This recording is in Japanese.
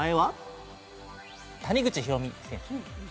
谷口浩美選手。